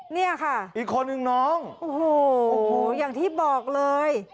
นี่ค่ะอีกคนหนึ่งน้องโอ้โหโอ้โหอย่างที่บอกเลย